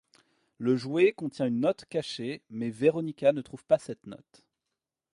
Le jouet contient une note cachée, mais Veronica ne trouve pas cette note.